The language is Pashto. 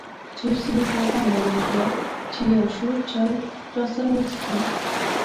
څو ځله یې پیغام را ولېږه چې یو شور چای راسره وڅښه.